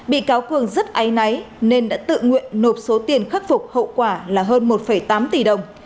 bị cáo cường rất ái náy nên đã tự nguyện nộp số tiền khắc phục hậu quả là hơn một tám tỷ đồng